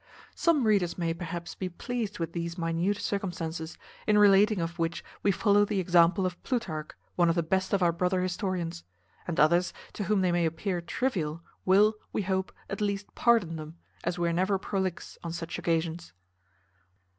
Some readers may, perhaps, be pleased with these minute circumstances, in relating of which we follow the example of Plutarch, one of the best of our brother historians; and others, to whom they may appear trivial, will, we hope, at least pardon them, as we are never prolix on such occasions.